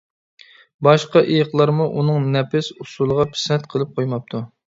باشقا ئېيىقلارمۇ ئۇنىڭ نەپىس ئۇسسۇلىغا پىسەنت قىلىپ قويماپتۇ.